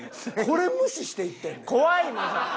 これ無視していってんで。